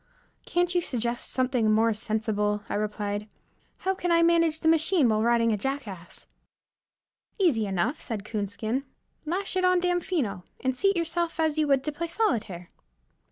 "Can't you suggest something more sensible?" I replied. "How can I manage the machine while riding a jackass?" "Easy enough," said Coonskin. "Lash it on Damfino, and seat yourself as you would to play solitaire."